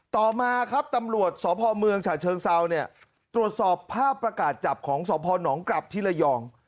ต่อมาครับตำรวจสพเมืองฉะเชิงเซาเนี่ยตรวจสอบภาพประกาศจับของสพนกลับที่ระยอง